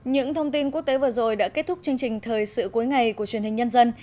những thông tin quốc tế vừa rồi đã kết thúc chương trình thời sự cuối ngày của truyền hình nhân dân